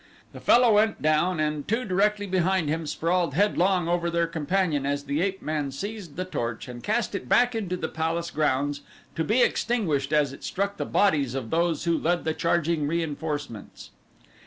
The fellow went down and two directly behind him sprawled headlong over their companion as the ape man seized the torch and cast it back into the palace grounds to be extinguished as it struck the bodies of those who led the charging reinforcements.